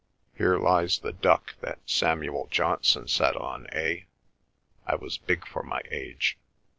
Here lies the duck that Samuel Johnson sat on, eh? I was big for my age."